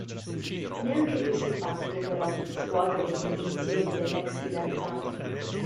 Neanche questo fatto, però, scuote le convinzioni dell'ex fidanzato.